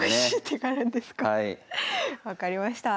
分かりました。